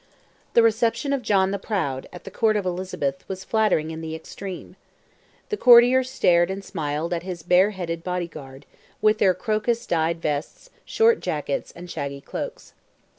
The reception of John the Proud, at the Court of Elizabeth, was flattering in the extreme. The courtiers stared and smiled at his bareheaded body guard, with their crocus dyed vests, short jackets, and shaggy cloaks.